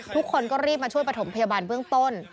ทุกคนก็รีบมาช่วยประถมพยาบาลเบื้องต้น